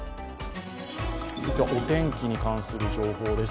次はお天気に関する情報です。